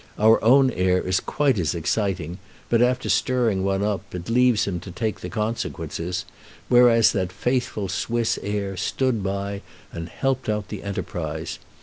Our own air is quite as exciting, but after stirring one up, it leaves him to take the consequences, whereas that faithful Swiss air stood by and helped out the enterprise.